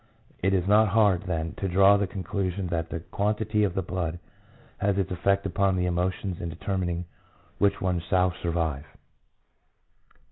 It is not hard, then, to draw the conclusion that the quantity of the blood has its effect upon the emotions in determining which ones shall survive.